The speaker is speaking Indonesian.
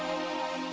tidak tapi sekarang